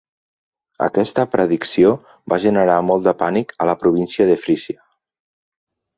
Aquesta predicció va generar molt de pànic a la província de Frísia.